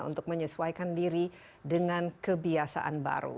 untuk menyesuaikan diri dengan kebiasaan baru